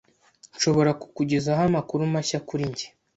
Nshobora kukugezaho amakuru mashya kuri njye?